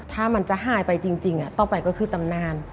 ถ้ามันจะหายไปจริงต้องไปก็คือตำนาน